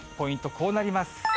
こうなります。